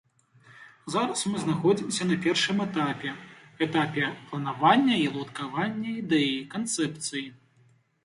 Зараз мы знаходзімся на першым этапе, этапе планавання і ўладкавання ідэі, канцэпцыі.